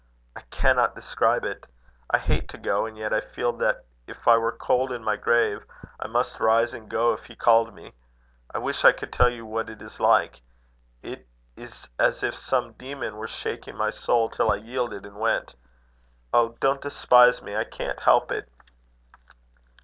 I cannot describe it. I hate to go, and yet I feel that if I were cold in my grave, I must rise and go if he called me. I wish I could tell you what it is like. It is as if some demon were shaking my soul till I yielded and went. Oh! don't despise me. I can't help it."